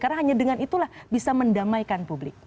karena hanya dengan itulah bisa mendamaikan publik